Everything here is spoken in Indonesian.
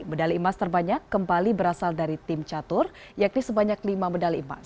medali emas terbanyak kembali berasal dari tim catur yakni sebanyak lima medali emas